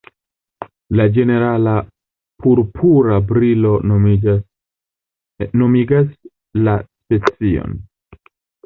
La ĝenerala purpura brilo nomigas la specion.